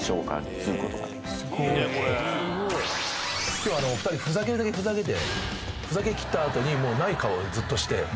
今日はお二人ふざけるだけふざけてふざけきった後にもうない顔ずっとして。